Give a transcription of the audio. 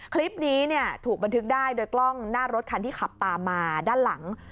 คลิปนี้ถูกบันทึกได้โดยกล้องหน้ารถคันที่ขับตามมาด้านหลัง